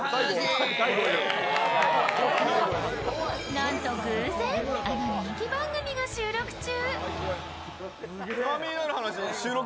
なんと偶然、あの人気番組が収録中。